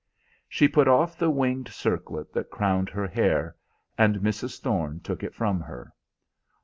She put off the winged circlet that crowned her hair, and Mrs. Thorne took it from her.